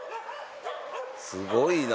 すごいな。